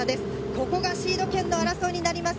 ここがシード権の争いになります。